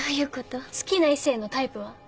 好きな異性のタイプは？